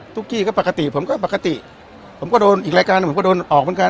กี้ก็ปกติผมก็ปกติผมก็โดนอีกรายการหนึ่งผมก็โดนออกเหมือนกัน